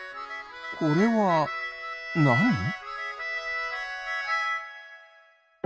これはなに？